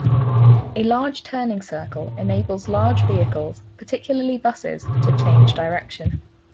A large turning circle enables large vehicles, particularly buses, to change direction.